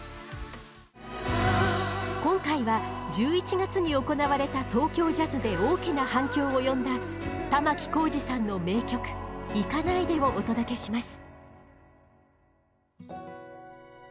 今回は１１月に行われた「ＴＯＫＹＯＪＡＺＺ」で大きな反響を呼んだ玉置浩二さんの名曲「行かないで」をお届けします。